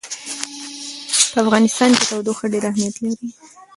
په افغانستان کې تودوخه ډېر اهمیت لري.